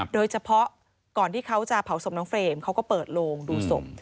โดยเฉพาะก่อนที่เขาจะเผาศพน้องเฟรมเขาก็เปิดโลงดูศพ